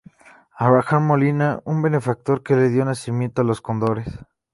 Abraham Molina, un benefactor que le dio nacimiento a Los Cóndores.